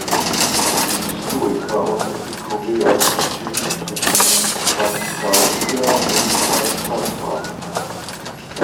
Die Stoiker und Epikureer unterschieden zwischen "phantasia" und "phantasma".